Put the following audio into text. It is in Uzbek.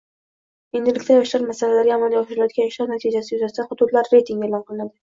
Endilikda yoshlar masalalarida amalga oshirilayotgan ishlar natijasi yuzasidan hududlar reytingi e’lon qilinadi